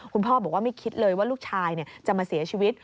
คุณพ่อบอกว่าไม่คิดเลยว่าลูกชายจะมาเสียชีวิต